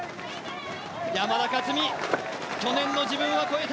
山田勝己、去年の自分は越えた。